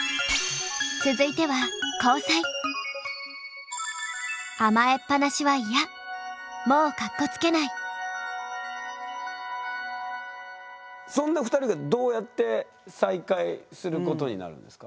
続いてはそんな２人がどうやって再会することになるんですか？